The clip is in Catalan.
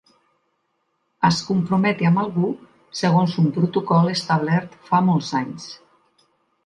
Es comprometi amb algú segons un protocol establert fa molts anys.